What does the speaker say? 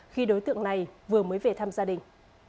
khi đối tượng này vừa mới về thăm gia đình